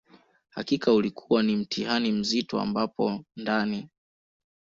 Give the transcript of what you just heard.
Hakika ulikua ni mtihani mzito ambapo ndani